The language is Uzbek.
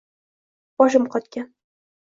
Boshim qotgan